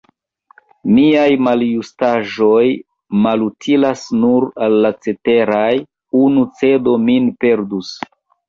Miaj maljustaĵoj malutilas nur al la ceteraj; unu cedo min perdus.